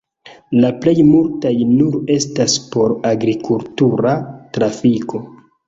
La plej multaj nur estas por agrikultura trafiko.